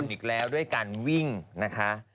อีกแล้วด้วยการวิ่งนะคะ